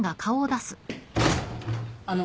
あの。